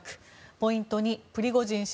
ポイント２、プリゴジン氏